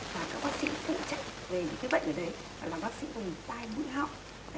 và các bác sĩ tự chạy về những cái bệnh ở đấy là bác sĩ bằng tay mũi họng